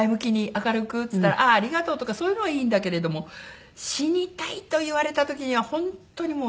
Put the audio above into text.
「明るく」っつったら「ああありがとう」とかそういうのはいいんだけれども「死にたい」と言われた時には本当に切なくなりましたね。